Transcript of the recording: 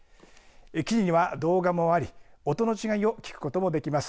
記事には動画もあり音の違いを聞くこともできます。